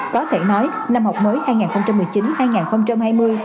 có thể nói năm học mới hai nghìn một mươi chín hai nghìn hai mươi